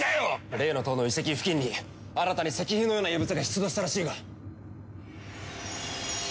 例の塔の遺跡付近に新たに石碑のような遺物が出土したらしいが。